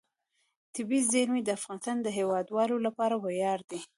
طبیعي زیرمې د افغانستان د هیوادوالو لپاره ویاړ دی.